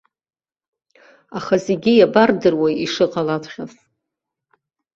Аха зегьы иабардыруеи ишыҟалаҵәҟьаз.